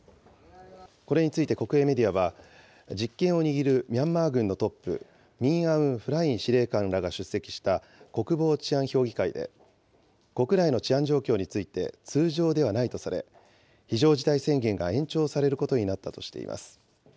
これについて国営メディアは、実権を握るミャンマー軍のトップ、ミン・アウン・フライン司令官らが出席した国防治安評議会で、国内の治安状況について通常ではないとされ、非常事態宣言が延長されることになったとしています。